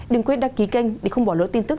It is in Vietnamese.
đừng quyết đăng ký kênh để không bỏ lỡ tin tức